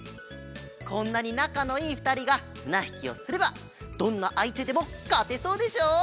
こんなになかのいいふたりがつなひきをすればどんなあいてでもかてそうでしょ？